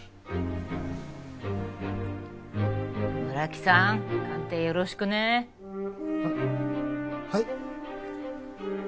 村木さん鑑定よろしくね。ははい。